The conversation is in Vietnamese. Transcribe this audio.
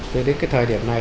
tới đến cái thời điểm này